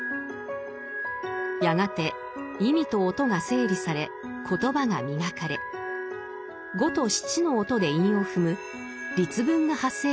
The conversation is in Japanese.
やがて意味と音が整理され言葉が磨かれ五と七の音で韻を踏む「律文」が発生したといいます。